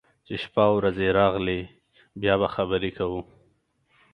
چې شپه او رځې راغلې، بیا به خبرې کوو.